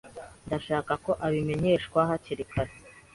Ndashaka ko abimenyeshwa hakiri kare.